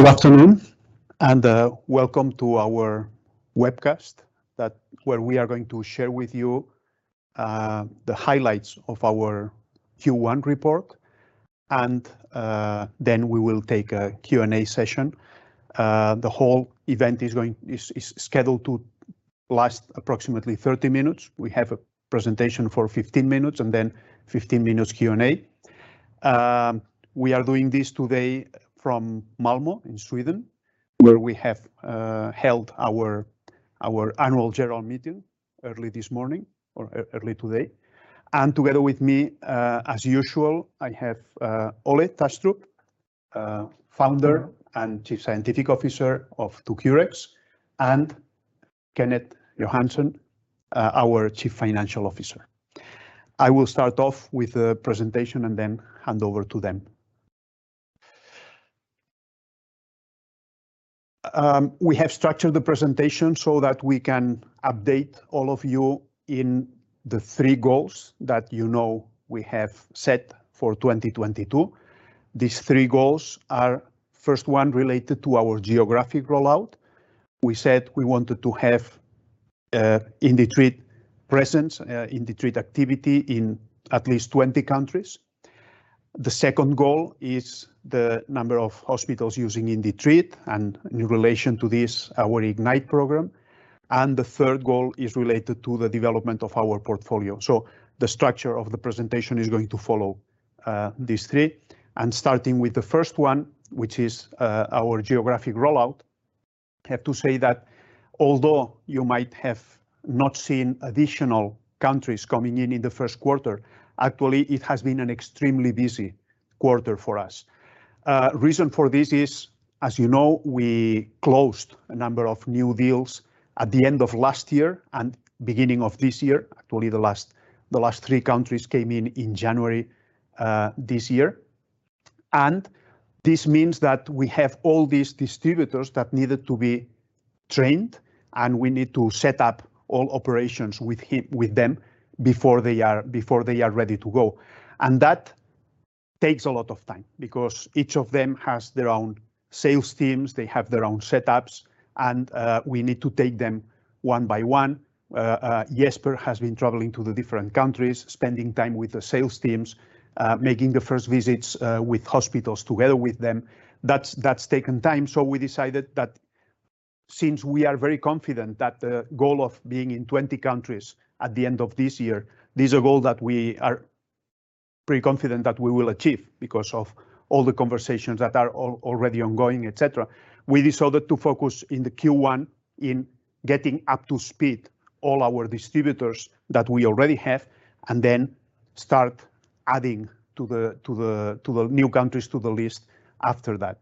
Good afternoon, welcome to our webcast where we are going to share with you the highlights of our Q1 report, and then we will take a Q&A session. The whole event is scheduled to last approximately 30 minutes. We have a presentation for 15 minutes and then 15 minutes Q&A. We are doing this today from Malmö in Sweden, where we have held our annual general meeting early this morning or early today. Together with me, as usual, I have Ole Thastrup, Founder and Chief Scientific Officer of 2cureX, and Kenneth Johansen, our Chief Financial Officer. I will start off with a presentation and then hand over to them. We have structured the presentation so that we can update all of you in the three goals that you know we have set for 2022. These three goals are first one related to our geographic rollout. We said we wanted to have IndiTreat presence, IndiTreat activity in at least 20 countries. The second goal is the number of hospitals using IndiTreat, and in relation to this, our IGNITE program. The third goal is related to the development of our portfolio. The structure of the presentation is going to follow these three. Starting with the first one, which is our geographic rollout, I have to say that although you might have not seen additional countries coming in in the first quarter, actually it has been an extremely busy quarter for us. Reason for this is, as you know, we closed a number of new deals at the end of last year and beginning of this year. Actually, the last three countries came in in January this year. This means that we have all these distributors that needed to be trained, and we need to set up all operations with them before they are ready to go. That takes a lot of time because each of them has their own sales teams, they have their own setups, and we need to take them one by one. Jesper has been traveling to the different countries, spending time with the sales teams, making the first visits with hospitals together with them. That's taken time, so we decided that since we are very confident that the goal of being in 20 countries at the end of this year, this is a goal that we are pretty confident that we will achieve because of all the conversations that are already ongoing, et cetera. We decided to focus in the Q1 in getting up to speed all our distributors that we already have, and then start adding to the new countries to the list after that.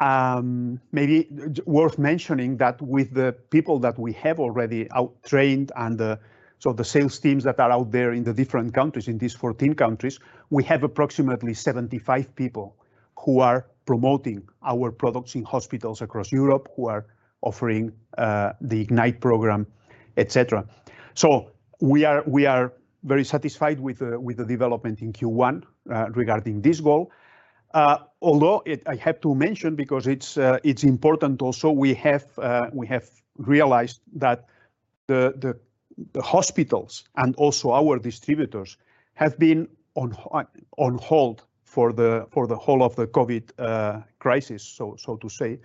Maybe worth mentioning that with the people that we have already trained and so the sales teams that are out there in the different countries, in these 14 countries, we have approximately 75 people who are promoting our products in hospitals across Europe, who are offering the IGNITE program, et cetera. We are very satisfied with the development in Q1 regarding this goal. Although I have to mention because it's important also, we have realized that the hospitals and also our distributors have been on hold for the whole of the COVID crisis, so to say.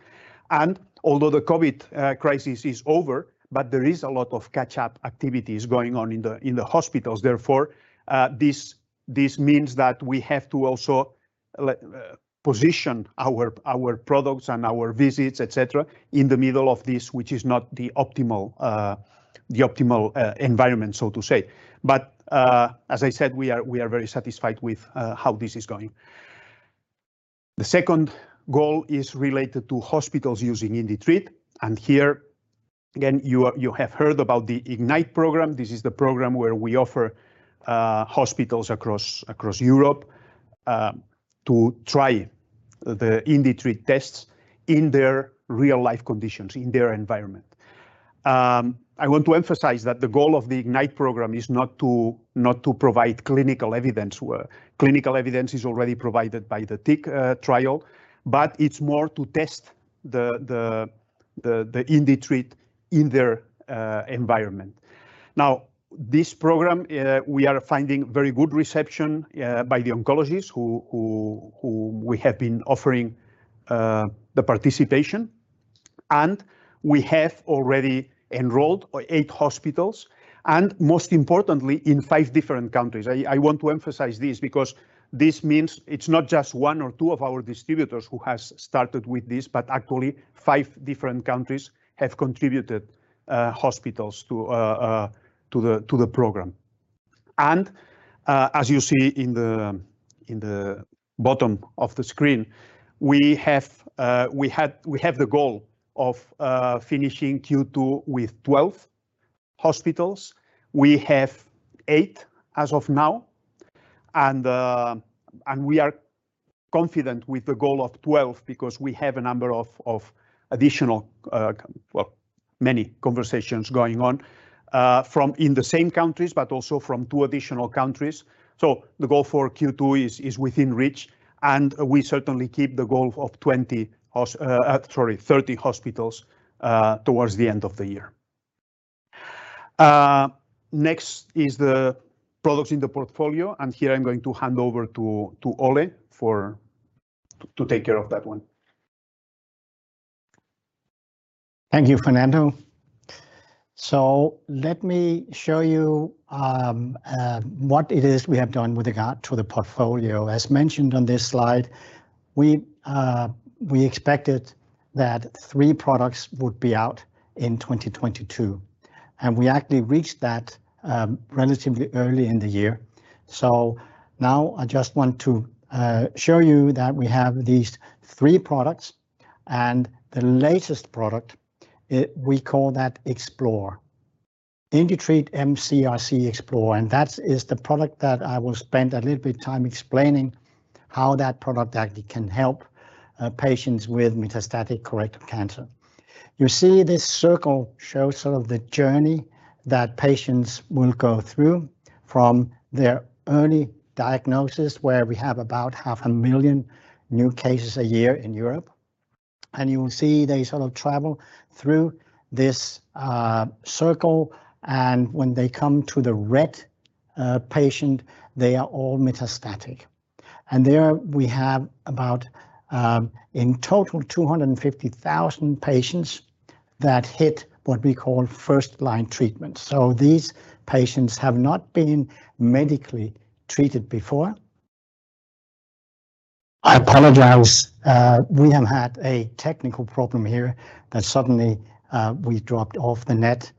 Although the COVID crisis is over, but there is a lot of catch-up activities going on in the hospitals. Therefore, this means that we have to also position our products and our visits, et cetera, in the middle of this, which is not the optimal environment, so to say. As I said, we are very satisfied with how this is going. The second goal is related to hospitals using IndiTreat. Here again, you have heard about the IGNITE program. This is the program where we offer hospitals across Europe to try the IndiTreat tests in their real-life conditions, in their environment. I want to emphasize that the goal of the IGNITE program is not to provide clinical evidence, where clinical evidence is already provided by the TICC trial, but it's more to test the IndiTreat in their environment. Now, this program, we are finding very good reception by the oncologists who we have been offering the participation. We have already enrolled eight hospitals, and most importantly, in five different countries. I want to emphasize this because this means it's not just one or two of our distributors who has started with this, but actually five different countries have contributed hospitals to the program. As you see in the bottom of the screen, we have the goal of finishing Q2 with 12 hospitals. We have eight as of now, and we are confident with the goal of 12 because we have a number of additional, well, many conversations going on from in the same countries, but also from two additional countries. The goal for Q2 is within reach, and we certainly keep the goal of 30 hospitals towards the end of the year. Next is the products in the portfolio, and here I'm going to hand over to Ole to take care of that one. Thank you, Fernando. Let me show you what it is we have done with regard to the portfolio. As mentioned on this slide, we expected that three products would be out in 2022, and we actually reached that relatively early in the year. Now I just want to show you that we have these three products, and the latest product, it we call Explore. IndiTreat mCRC Explore, and that is the product that I will spend a little bit of time explaining how that product actually can help patients with metastatic colorectal cancer. You see this circle shows sort of the journey that patients will go through from their early diagnosis, where we have about half a million new cases a year in Europe. You will see they sort of travel through this circle, and when they come to the red patient, they are all metastatic. There we have about, in total, 250,000 patients that hit what we call first-line treatment. These patients have not been medically treated before. I apologize. We have had a technical problem here that suddenly we dropped off the net.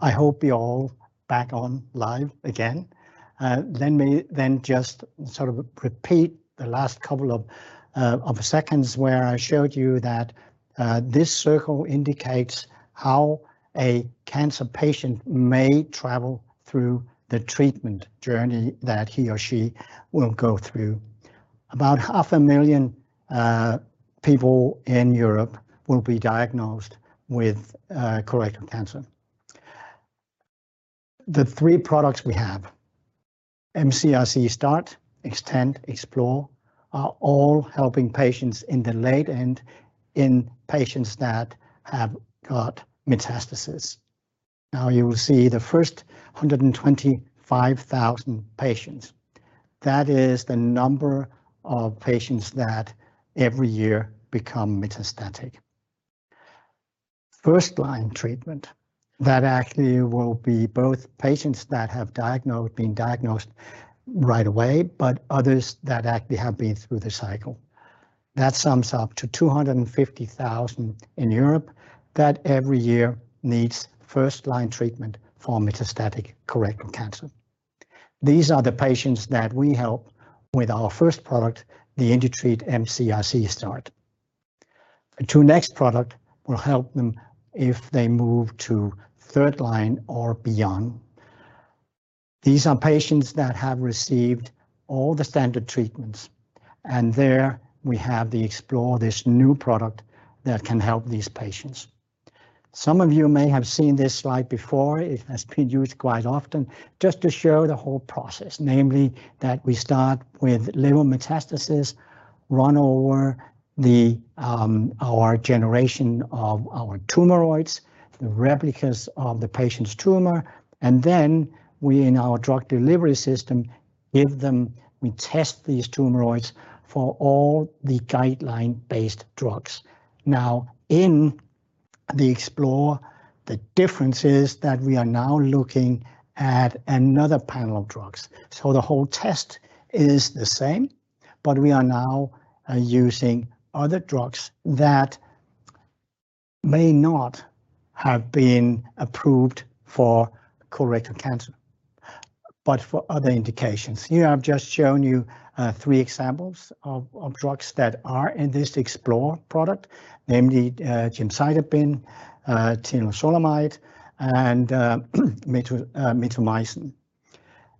I hope you're all back on live again. Let me then just sort of repeat the last couple of seconds where I showed you that this circle indicates how a cancer patient may travel through the treatment journey that he or she will go through. About 500,000 people in Europe will be diagnosed with colorectal cancer. The three products we have, mCRC Start, Extend, Explore, are all helping patients in the late and in patients that have got metastasis. Now you will see the first 125,000 patients. That is the number of patients that every year become metastatic. First-line treatment, that actually will be both patients that been diagnosed right away, but others that actually have been through the cycle. That sums up to 250,000 in Europe that every year needs first-line treatment for metastatic colorectal cancer. These are the patients that we help with our first product, the IndiTreat mCRC Start. The two next product will help them if they move to third line or beyond. These are patients that have received all the standard treatments. There we have the Explore, this new product that can help these patients. Some of you may have seen this slide before. It has been used quite often just to show the whole process. Namely, that we start with little metastasis, run over the, our generation of our Tumoroids, the replicas of the patient's tumor, and then we in our drug delivery system, give them. We test these Tumoroids for all the guideline-based drugs. Now, in the Explore, the difference is that we are now looking at another panel of drugs. The whole test is the same, but we are now using other drugs that may not have been approved for colorectal cancer, but for other indications. Here I've just shown you three examples of drugs that are in this Explore product, namely, Gemcitabine, Temozolomide, and Mitomycin.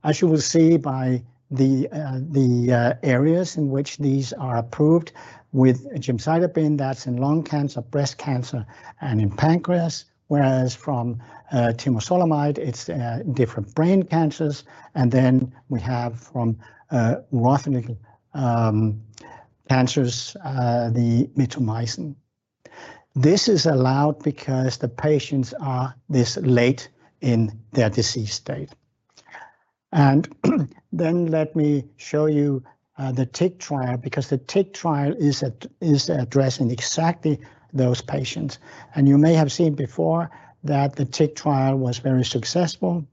As you will see by the areas in which these are approved, with Gemcitabine, that's in lung cancer, breast cancer, and in pancreas, whereas for Temozolomide, it's different brain cancers and then we have the Mitomycin. This is allowed because the patients are this late in their disease state. Then let me show you the TICC trial because the TICC trial is addressing exactly those patients. You may have seen before that the TICC trial was very successful.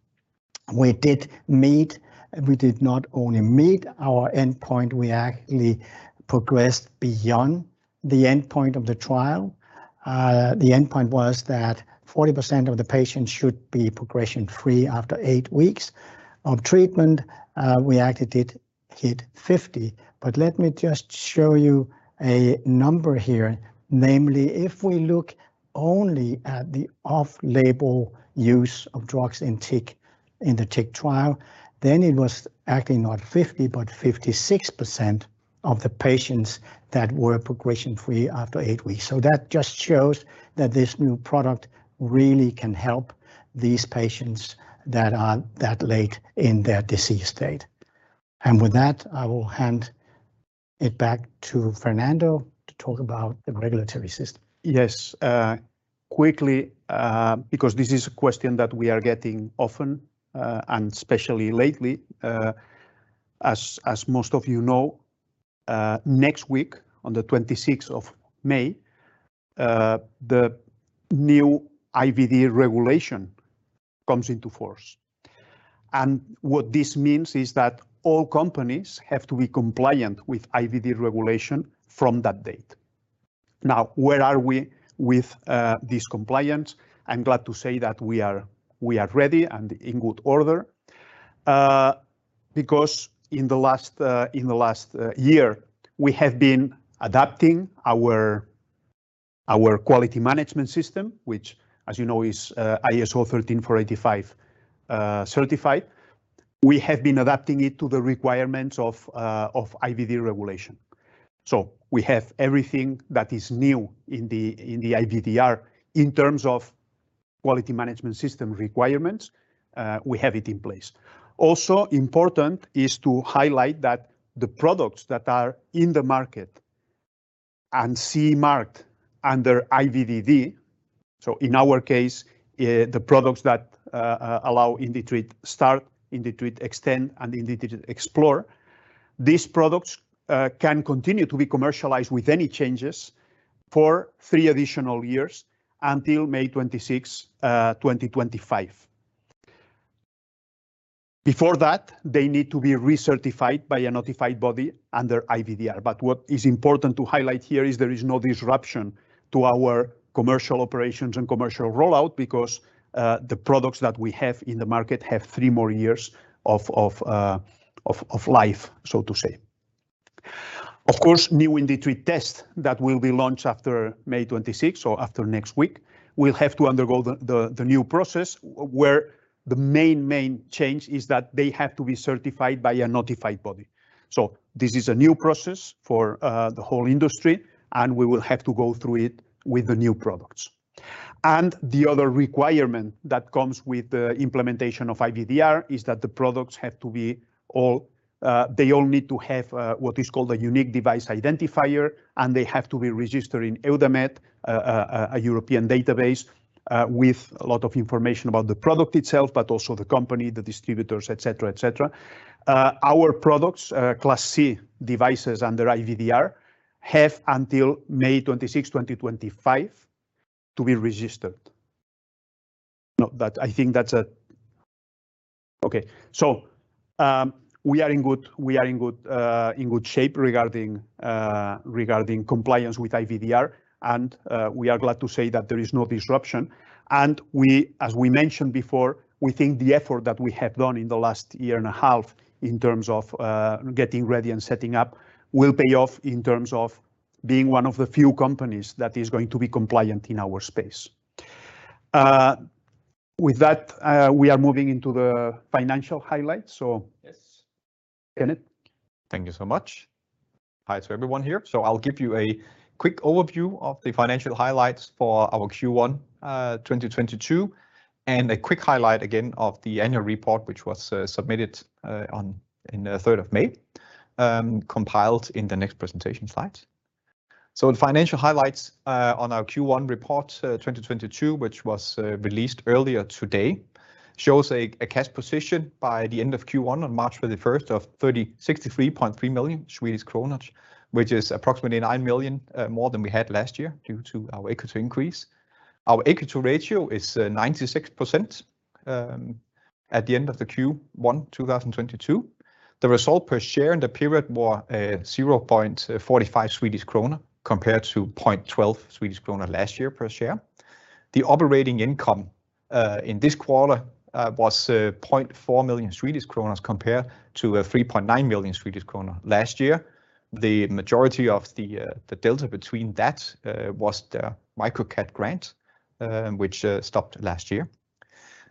We did not only meet our endpoint, we actually progressed beyond the endpoint of the trial. The endpoint was that 40% of the patients should be progression-free after eight weeks of treatment. We actually did hit 50%. Let me just show you a number here. Namely, if we look only at the off-label use of drugs in TICC, in the TICC trial. It was actually not 50, but 56% of the patients that were progression free after eight weeks. That just shows that this new product really can help these patients that are that late in their disease state. With that, I will hand it back to Fernando to talk about the regulatory system. Yes. Quickly, because this is a question that we are getting often, and especially lately, as most of you know, next week on the 26th of May, the new IVD regulation comes into force. What this means is that all companies have to be compliant with IVD regulation from that date. Now, where are we with this compliance? I'm glad to say that we are ready and in good order. Because in the last year, we have been adapting our quality management system, which as you know is ISO 13485 certified. We have been adapting it to the requirements of IVD regulation. We have everything that is new in the IVDR. In terms of quality management system requirements, we have it in place. Also important is to highlight that the products that are in the market and CE marked under IVDD, so in our case, the products that allow IndiTreat Start, IndiTreat Extend, and IndiTreat Explore, these products can continue to be commercialized with any changes for three additional years until May 26, 2025. Before that, they need to be recertified by a notified body under IVDR. What is important to highlight here is there is no disruption to our commercial operations and commercial rollout because the products that we have in the market have three more years of life, so to say. Of course, new IndiTreat tests that will be launched after May 26th or after next week will have to undergo the new process where the main change is that they have to be certified by a notified body. This is a new process for the whole industry, and we will have to go through it with the new products. The other requirement that comes with the implementation of IVDR is that the products all need to have what is called a unique device identifier, and they have to be registered in EUDAMED, a European database with a lot of information about the product itself, but also the company, the distributors, et cetera. Our products, Class C devices under IVDR, have until May 26th, 2025 to be registered. No, I think that's. Okay. We are in good shape regarding compliance with IVDR, and we are glad to say that there is no disruption. We, as we mentioned before, we think the effort that we have done in the last year and a half in terms of getting ready and setting up will pay off in terms of being one of the few companies that is going to be compliant in our space. With that, we are moving into the financial highlights. Yes. Kenneth. Thank you so much. Hi to everyone here. I'll give you a quick overview of the financial highlights for our Q1 2022, and a quick highlight again of the annual report which was submitted on the 3rd of May, compiled in the next presentation slides. In financial highlights on our Q1 report 2022, which was released earlier today shows a cash position by the end of Q1 on March 1st of 63.3 million Swedish kronor, which is approximately 9 million more than we had last year due to our equity increase. Our equity ratio is 96% at the end of the Q1 2022. The result per share in the period was 0.45 Swedish krona compared to 0.12 Swedish krona last year per share. The operating income in this quarter was 0.4 million Swedish kronor compared to 3.9 million Swedish kronor last year. The majority of the delta between that was the MicroCap grant, which stopped last year.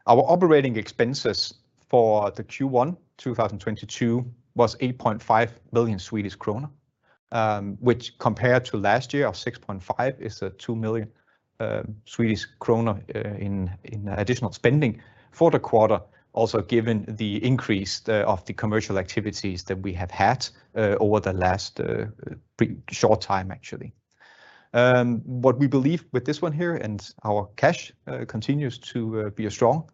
Our operating expenses for the Q1 2022 was 8.5 million Swedish kronor, which compared to last year of 6.5 million is 2 million Swedish kronor in additional spending for the quarter, also given the increase of the commercial activities that we have had over the last short time actually. What we believe with this one here and our cash continues to be a strong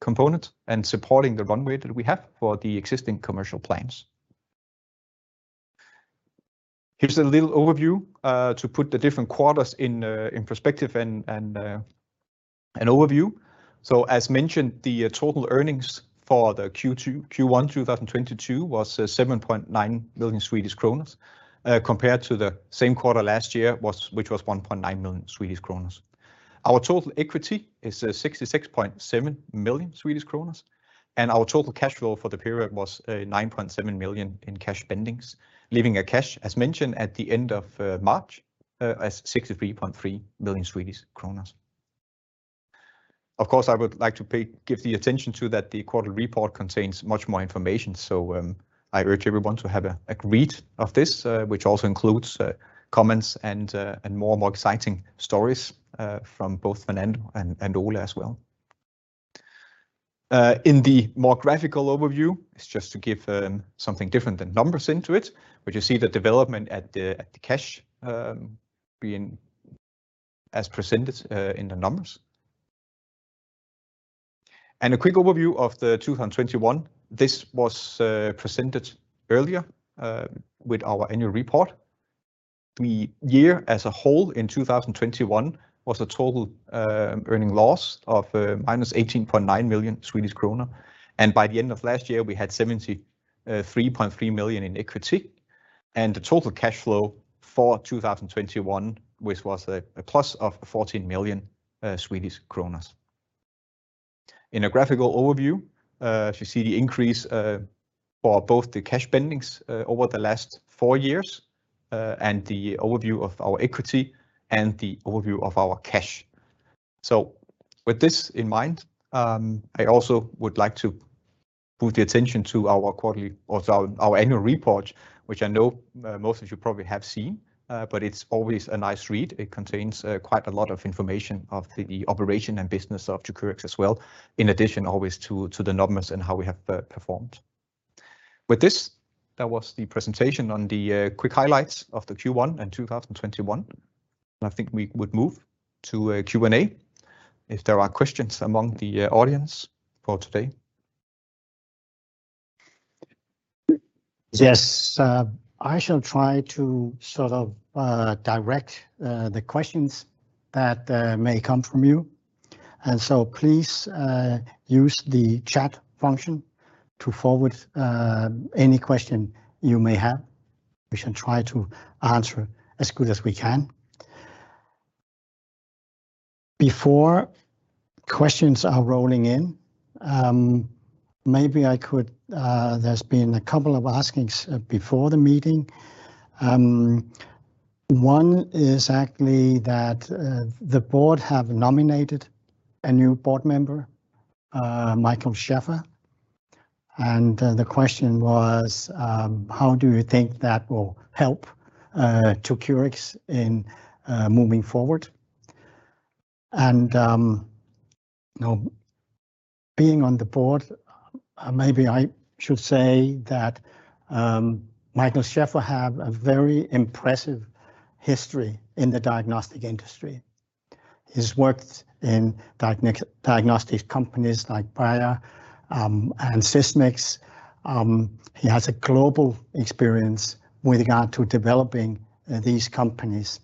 component and supporting the runway that we have for the existing commercial plans. Here's a little overview to put the different quarters in perspective and an overview. As mentioned, the total earnings for the Q1 2022 was 7.9 million Swedish kronor compared to the same quarter last year, which was 1.9 million Swedish kronor. Our total equity is 66.7 million Swedish kronor, and our total cash flow for the period was 9.7 million in cash spending, leaving cash, as mentioned, at the end of March, as 63.3 million Swedish kronor. Of course, I would like to give the attention to that the quarterly report contains much more information, so I urge everyone to have a read of this, which also includes comments and more exciting stories from both Fernando and Ole as well. In the more graphical overview, it's just to give something different than numbers into it. You see the development at the cash being as presented in the numbers. A quick overview of the 221. This was presented earlier with our annual report. The year as a whole in 2021 was a total earnings loss of -18.9 million Swedish kronor, and by the end of last year we had 73.3 million in equity, and the total cash flow for 2021, which was +14 million Swedish kronor. In a graphical overview, so you see the increase for both the cash spending over the last four years, and the overview of our equity and the overview of our cash. With this in mind, I also would like to put the attention to our quarterly or to our annual report, which I know most of you probably have seen, but it's always a nice read. It contains quite a lot of information of the operation and business of 2cureX as well, in addition always to the numbers and how we have performed. With this, that was the presentation on the quick highlights of the Q1 in 2021, and I think we would move to a Q&A if there are questions among the audience for today. Yes. I shall try to sort of direct the questions that may come from you. Please use the chat function to forward any question you may have. We shall try to answer as good as we can. Before questions are rolling in, maybe I could. There's been a couple of asks before the meeting. One is actually that the board have nominated a new board member, Michael Schaefer. The question was, how do you think that will help 2cureX in moving forward? You know, being on the board, maybe I should say that Michael Schaefer have a very impressive history in the diagnostic industry. He's worked in diagnostics companies like Bayer and Sysmex. He has a global experience with regard to developing these companies.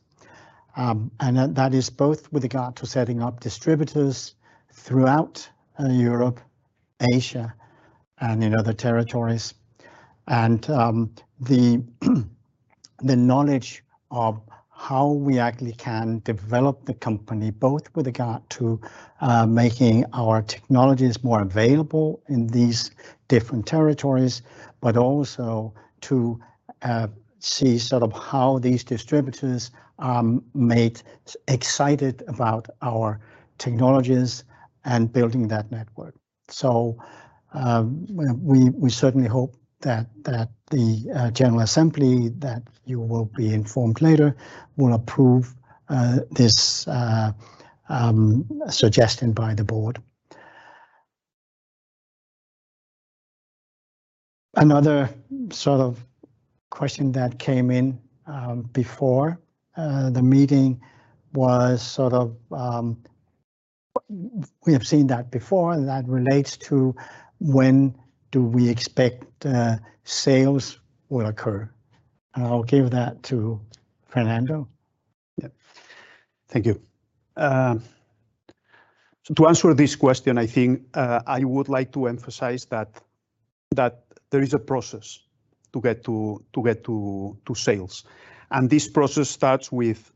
That is both with regard to setting up distributors throughout Europe, Asia, and in other territories. The knowledge of how we actually can develop the company, both with regard to making our technologies more available in these different territories, but also to see sort of how these distributors made excited about our technologies and building that network. We certainly hope that the general assembly that you will be informed later will approve this suggestion by the board. Another sort of question that came in before the meeting was sort of. We have seen that before, and that relates to when do we expect sales will occur. I'll give that to Fernando. Yeah. Thank you. To answer this question, I think I would like to emphasize that there is a process to get to sales, and this process starts with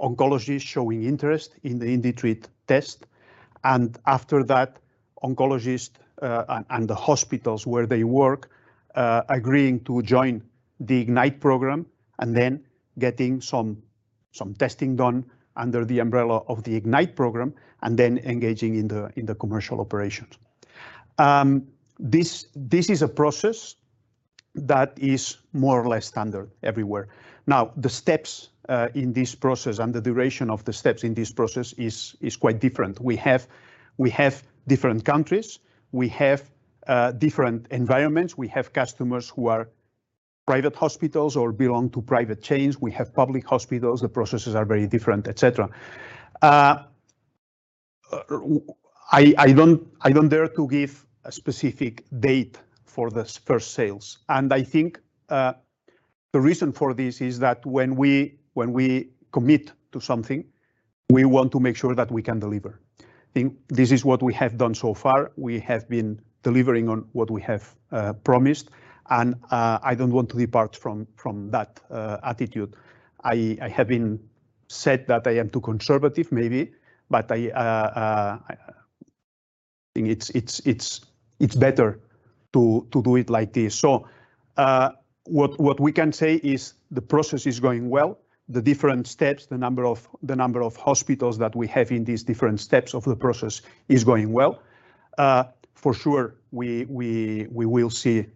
oncologists showing interest in the IndiTreat test, and after that, oncologist and the hospitals where they work agreeing to join the IGNITE program, and then getting some testing done under the umbrella of the IGNITE program, and then engaging in the commercial operations. This is a process that is more or less standard everywhere. Now, the steps in this process and the duration of the steps in this process is quite different. We have different countries, we have different environments. We have customers who are private hospitals or belong to private chains. We have public hospitals. The processes are very different, et cetera. I don't dare to give a specific date for the first sales, and I think the reason for this is that when we commit to something, we want to make sure that we can deliver. I think this is what we have done so far. We have been delivering on what we have promised, and I don't want to depart from that attitude. I have been told that I am too conservative, maybe, but I think it's better to do it like this. What we can say is the process is going well. The different steps, the number of hospitals that we have in these different steps of the process is going well. For sure, we will see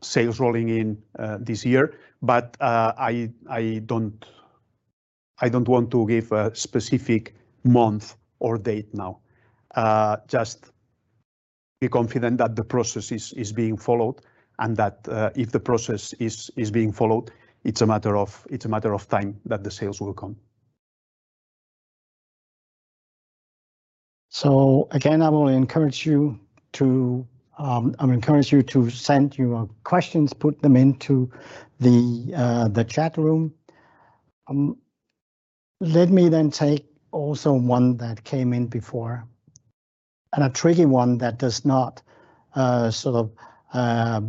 sales rolling in this year. I don't want to give a specific month or date now. Just be confident that the process is being followed, and that if the process is being followed, it's a matter of time that the sales will come. Again, I encourage you to send your questions, put them into the chat room. Let me take also one that came in before, and a tricky one that does not sort of.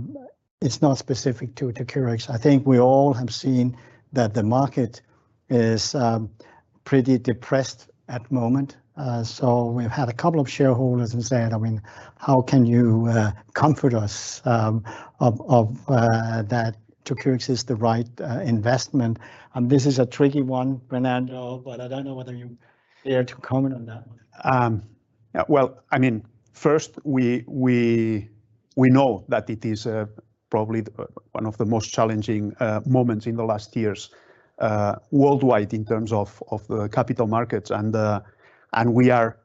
It's not specific to 2cureX. I think we all have seen that the market is pretty depressed at the moment. We've had a couple of shareholders who said, I mean, "How can you comfort us of that 2cureX is the right investment?" This is a tricky one, Fernando, but I don't know whether you dare to comment on that one. Well, I mean, first, we know that it is probably one of the most challenging moments in the last years worldwide in terms of the capital markets. We are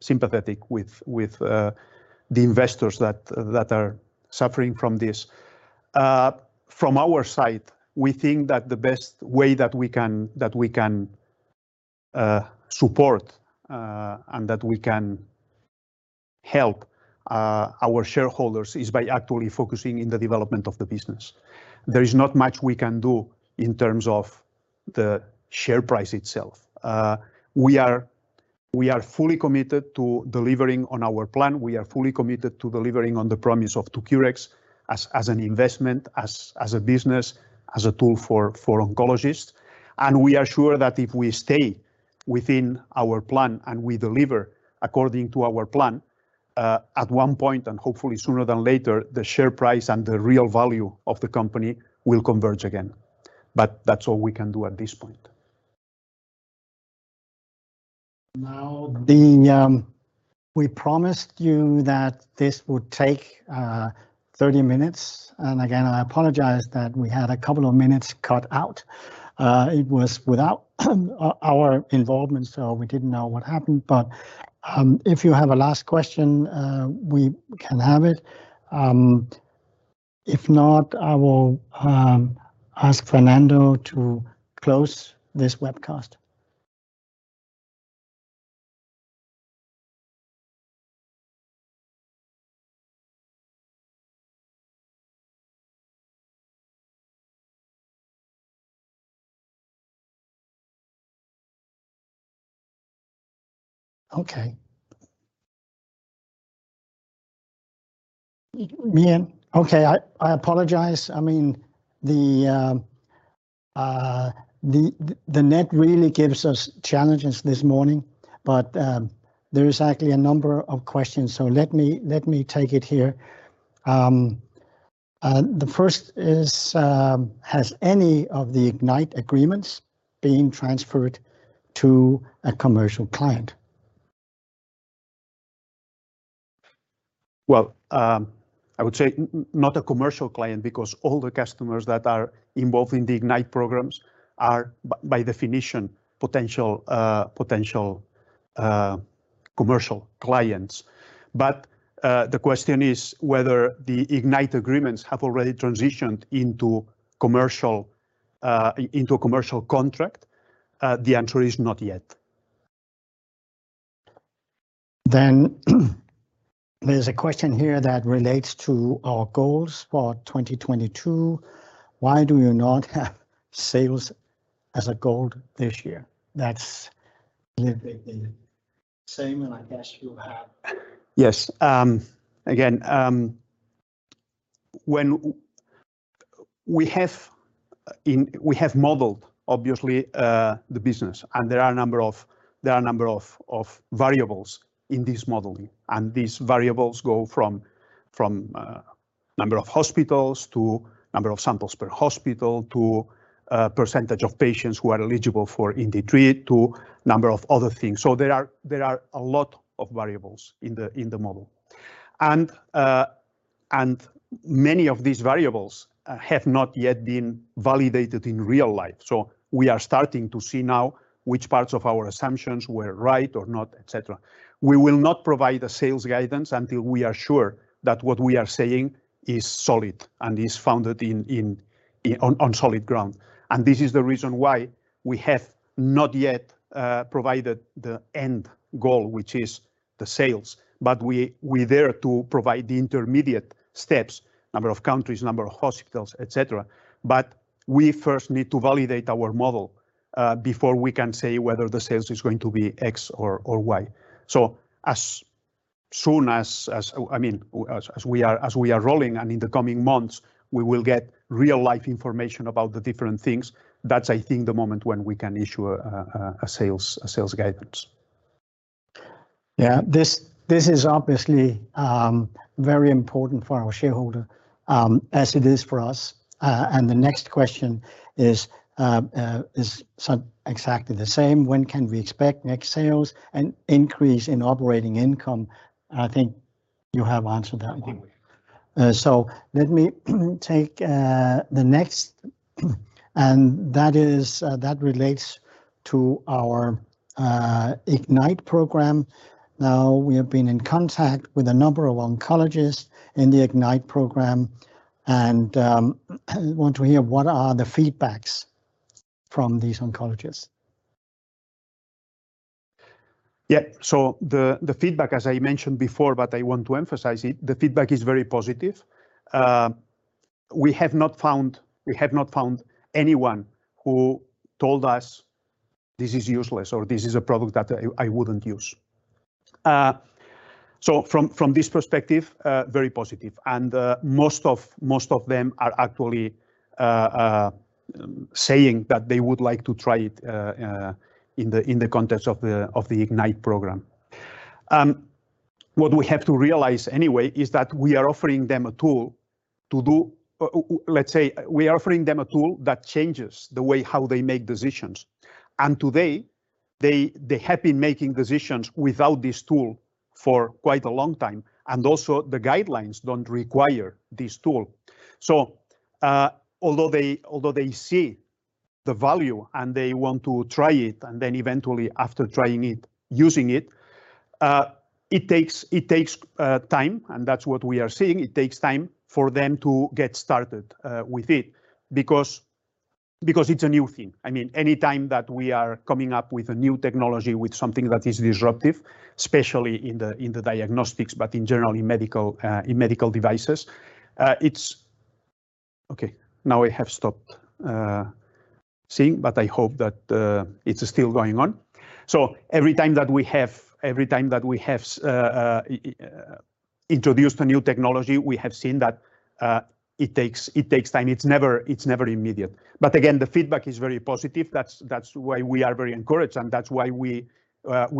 sympathetic with the investors that are suffering from this. From our side, we think that the best way that we can support and help our shareholders is by actually focusing in the development of the business. There is not much we can do in terms of the share price itself. We are fully committed to delivering on our plan. We are fully committed to delivering on the promise of 2cureX as an investment, as a business, as a tool for oncologists. We are sure that if we stay within our plan, and we deliver according to our plan, at one point, and hopefully sooner than later, the share price and the real value of the company will converge again. That's all we can do at this point. Now, we promised you that this would take 30 minutes, and again, I apologize that we had a couple of minutes cut out. It was without our involvement, so we didn't know what happened. If you have a last question, we can have it. If not, I will ask Fernando to close this webcast. Okay. You- Me? Okay. I apologize. I mean, the net really gives us challenges this morning. There is actually a number of questions, so let me take it here. The first is, "Has any of the IGNITE agreements been transferred to a commercial client?" Well, I would say not a commercial client, because all the customers that are involved in the IGNITE programs are by definition potential commercial clients. The question is whether the IGNITE agreements have already transitioned into a commercial contract. The answer is not yet. There's a question here that relates to our goals for 2022. "Why do you not have sales as a goal this year?" That's literally the same, and I guess you have. Yes. We have modeled, obviously, the business, and there are a number of variables in this modeling, and these variables go from number of hospitals to number of samples per hospital to percentage of patients who are eligible for IndiTreat to number of other things. There are a lot of variables in the model. Many of these variables have not yet been validated in real life. We are starting to see now which parts of our assumptions were right or not, et cetera. We will not provide a sales guidance until we are sure that what we are saying is solid and is founded on solid ground. This is the reason why we have not yet provided the end goal, which is the sales. We are there to provide the intermediate steps, number of countries, number of hospitals, et cetera. We first need to validate our model before we can say whether the sales is going to be X or Y. As soon as I mean as we are rolling and in the coming months we will get real-life information about the different things, that's I think the moment when we can issue a sales guidance. Yeah, this is obviously very important for our shareholder, as it is for us. The next question is so exactly the same. When can we expect next sales and increase in operating income? I think you have answered that one. I think we have. Let me take the next that relates to our IGNITE program. Now, we have been in contact with a number of oncologists in the IGNITE program, and want to hear what are the feedbacks from these oncologists. The feedback, as I mentioned before, but I want to emphasize it, the feedback is very positive. We have not found anyone who told us this is useless or this is a product that I wouldn't use. From this perspective, very positive, and most of them are actually saying that they would like to try it in the context of the IGNITE program. What we have to realize anyway is that we are offering them a tool, let's say, that changes the way how they make decisions. Today, they have been making decisions without this tool for quite a long time, and also the guidelines don't require this tool. Although they see the value and they want to try it, and then eventually after trying it, using it takes time, and that's what we are seeing. It takes time for them to get started with it because it's a new thing. I mean, any time that we are coming up with a new technology, with something that is disruptive, especially in the diagnostics, but in general in medical devices, it's. Okay, now I have stopped seeing, but I hope that it's still going on. Every time that we have introduced a new technology, we have seen that it takes time. It's never immediate. But again, the feedback is very positive. That's why we are very encouraged, and that's why we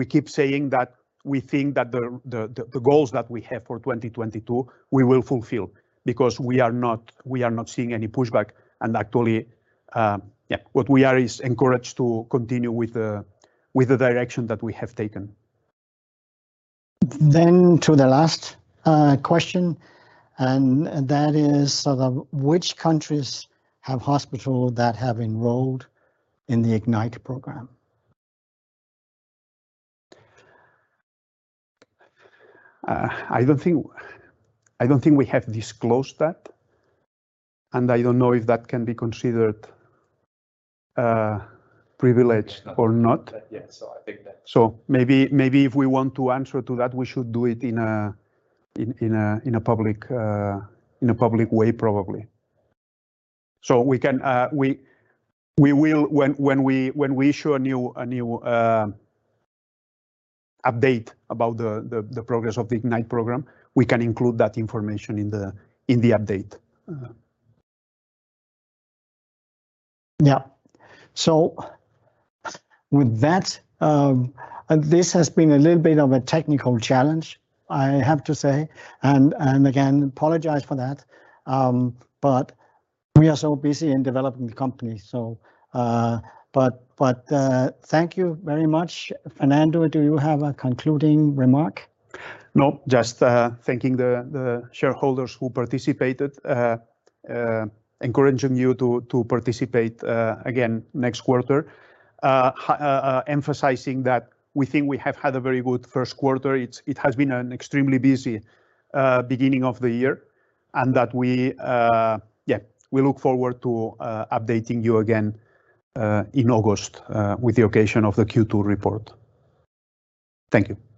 keep saying that we think that the goals that we have for 2022 we will fulfill because we are not seeing any pushback. Actually, yeah, what we are is encouraged to continue with the direction that we have taken. To the last question, and that is sort of which countries have hospital that have enrolled in the IGNITE program? I don't think we have disclosed that, and I don't know if that can be considered privileged or not. Yeah. I think that. Maybe if we want to answer to that, we should do it in a public way probably. We can. We will. When we show a new update about the progress of the IGNITE program, we can include that information in the update. Yeah. With that, this has been a little bit of a technical challenge, I have to say, and again, apologize for that. We are so busy in developing the company, so but thank you very much. Fernando, do you have a concluding remark? No, just thanking the shareholders who participated, encouraging you to participate again next quarter, emphasizing that we think we have had a very good first quarter. It has been an extremely busy beginning of the year, and that we look forward to updating you again in August with the occasion of the Q2 report. Thank you.